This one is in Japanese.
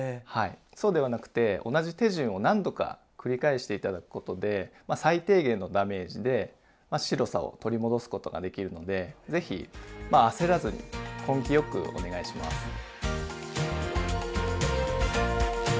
はいそうではなくて同じ手順を何度か繰り返して頂くことで最低限のダメージで白さを取り戻すことができるので是非まあ焦らずに根気よくお願いします。